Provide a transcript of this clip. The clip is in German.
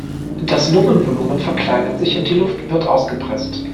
Das Lungenvolumen verkleinert sich und die Luft wird ausgepresst.